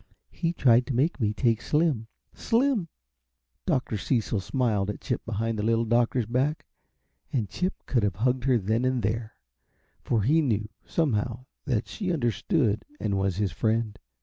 He tried to make me take Slim. Slim!" Dr. Cecil smiled at Chip behind the Little Doctor's back, and Chip could have hugged her then and there, for he knew, somehow, that she understood and was his friend.